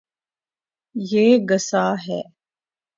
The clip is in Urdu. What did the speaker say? یے گصاہ ہے